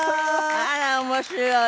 あら面白い。